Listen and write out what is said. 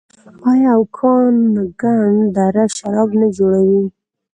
آیا اوکاناګن دره شراب نه جوړوي؟